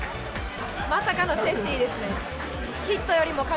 まさかのセーフティーですね。